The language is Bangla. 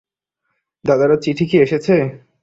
দাদার চিঠি কি এসেছে?